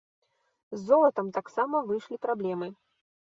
З золатам таксама выйшлі праблемы.